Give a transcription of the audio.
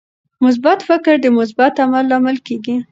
مثبت فکر د مثبت عمل لامل کیږي.